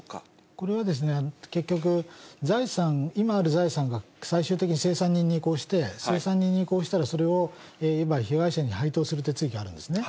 これは結局、今ある財産が最終的に清算人に移行して、清算人に移行したら、それをいわば被害者に配当する手続きがあるわけですね。